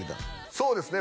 そうですね